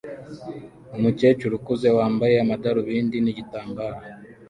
Umukecuru ukuze wambaye amadarubindi nigitambara